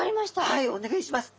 はいお願いします。